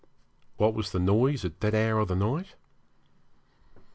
What was the noise at that hour of the night?